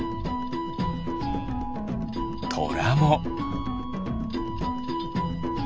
トラも。